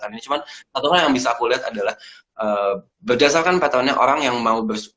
cuman satunya yang bisa aku lihat adalah berdasarkan patternnya orang yang mau